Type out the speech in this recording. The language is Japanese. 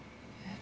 え？